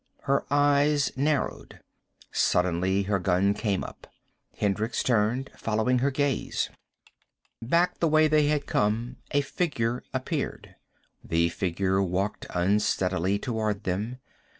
Her eyes narrowed. Suddenly her gun came up. Hendricks turned, following her gaze. Back the way they had come a figure appeared. The figure walked unsteadily toward them.